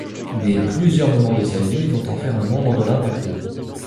Mais, plusieurs moments de sa vie vont en faire un membre de l'Impatco.